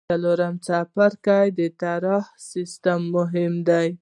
د څلورم څپرکي د اطراحي سیستم مهم دی.